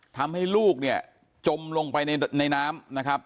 ทำให้ลูกเนี่ยจมลงไปในน้ำนะครับ